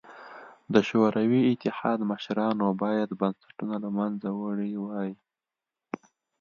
شوروي اتحاد مشرانو باید بنسټونه له منځه وړي وای.